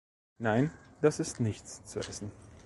Nein, das ist nichts zu Essen.